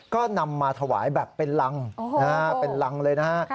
ก็นำมาถวายแบบเป็นรังเป็นรังเลยนะฮะ